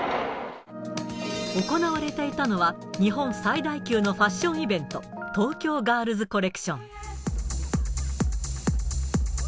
行われていたのは、日本最大級のファッションイベント、東京ガールズコレクション。